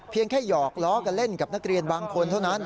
แค่หยอกล้อกันเล่นกับนักเรียนบางคนเท่านั้น